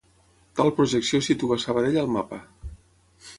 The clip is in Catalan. Tal projecció situa Sabadell al mapa.